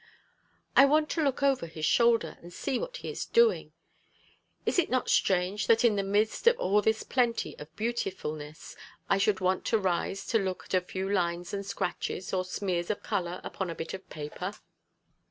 "I want to look over his shoulder, and see what he is doing. Is it not strange that in the midst of all this plenty of beautifulness, I should want to rise to look at a few lines and scratches, or smears of colour, upon a bit of paper?"